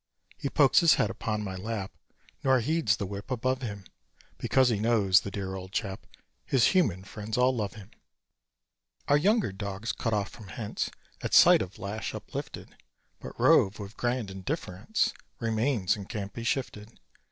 He pokes his head upon my lap, Nor heeds the whip above him; Because he knows, the dear old chap, His human friends all love him. Our younger dogs cut off from hence At sight of lash uplifted; But Rove, with grand indifference, Remains, and can't be shifted.